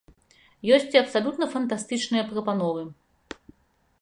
Ёсць і абсалютна фантастычныя прапановы.